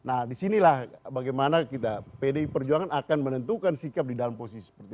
nah disinilah bagaimana kita pdi perjuangan akan menentukan sikap di dalam posisi seperti ini